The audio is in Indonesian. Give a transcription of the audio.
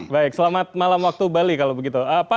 baik selamat malam waktu bali kalau begitu